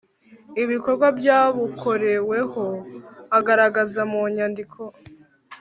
ibikorwa byabukoreweho agaragaza mu nyandiko